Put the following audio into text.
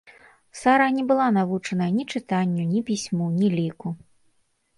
Сара не была навучаная ні чытанню, ні пісьму, ні ліку.